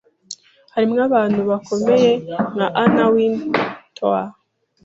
harimo abantu bakomeye nka Anna Wintour